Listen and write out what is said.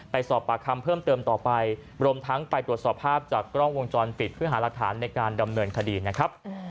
ไปสอบปากคำเพิ่มเติมต่อไปรวมทั้งไปตรวจสอบภาพจากกล้องวงจรปิดเพื่อหารักฐานในการดำเนินคดีนะครับ